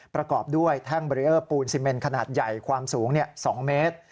ประกอบด้วยแท่งเบรีเออร์ปูนซีเมนขนาดใหญ่ความสูง๒เมตร